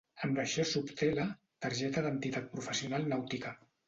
Amb això s'obté la "Targeta d'entitat professional nàutica".